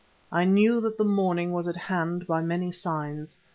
I knew that the morning was at hand by many signs.